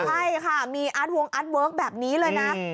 ใช่ค่ะมีอาร์ตวงอาร์ตเวิร์คแบบนี้เลยนะ